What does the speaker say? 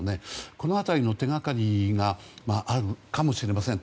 この辺りの手がかりがあるかもしれません。